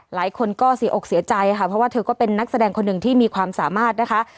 หลายคนก็เสียอกเสียใจค่ะเพราะว่าเธอก็เป็นนักแสดงคนหนึ่งที่มีความสามารถนะคะ